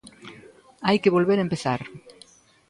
Hai que volver empezar.